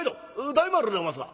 大丸でおますが」。